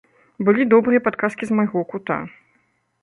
Былі добрыя падказкі з майго кута.